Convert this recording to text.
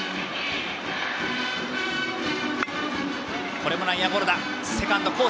これも内野ゴロだ。